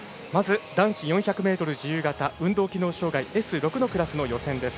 まず男子４００ｍ自由形運動機能障がいＳ６のクラスの予選です。